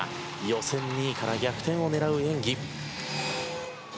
予選２位から逆転を狙う演技。